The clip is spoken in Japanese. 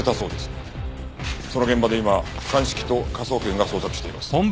その現場で今鑑識と科捜研が捜索しています。